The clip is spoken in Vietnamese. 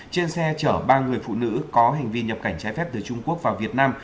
trên xe chở ba người phụ nữ có hành vi nhập cảnh trái phép từ trung quốc vào việt nam